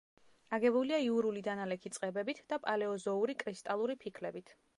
აგებულია იურული დანალექი წყებებით და პალეოზოური კრისტალური ფიქლებით.